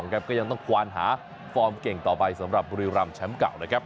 ก็ยังต้องกวานหาฟอร์มเก่งต่อไปสำหรับบุรีรำแชมป์เก่านะครับ